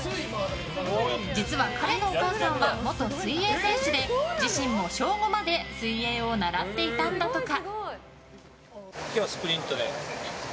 実は、彼のお母さんは元水泳選手で自身も、小５まで水泳を習っていたんだとか。